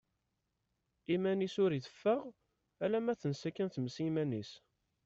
Iman-is ur iteffeɣ, alamma tensa kan tmes iman-is.